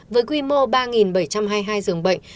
với quy mô ba bảy trăm hai mươi hai dường bệnh